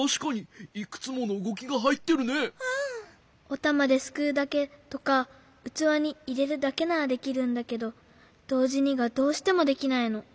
おたまですくうだけとかうつわにいれるだけならできるんだけどどうじにがどうしてもできないの。